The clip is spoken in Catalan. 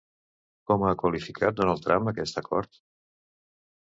Com ha qualificat Donald Trump aquest acord?